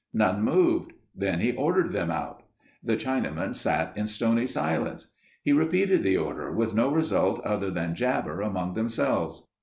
None moved, then he ordered them out. The Chinamen sat in stony silence. He repeated the order with no result other than jabber among themselves.